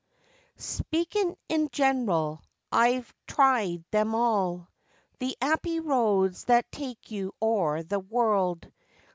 Speakin' in general, I 'ave tried 'em all, The 'appy roads that take you o'er the world.